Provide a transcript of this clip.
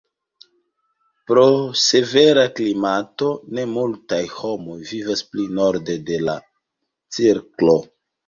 Pro severa klimato ne multaj homoj vivas pli norde de la cirklo.